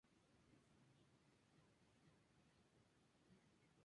En esta expedición se capturaron los vapores "Darro", "Victoria", "Bilbao" y "Extremadura".